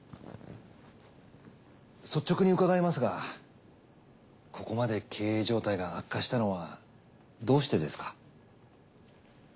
率直に伺いますがここまで経営状態が悪化したのはどうしてですか？